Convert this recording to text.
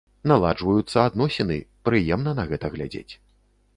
Наладжваюцца адносіны, прыемна на гэта глядзець.